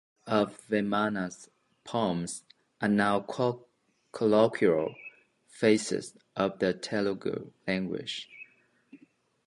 Many lines of Vemana's poems are now colloquial phrases of the Telugu language.